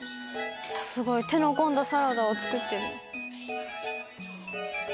すごい手の込んだサラダを作ってる。